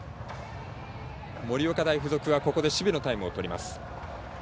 盛岡大付属はここで守備のタイムをとります。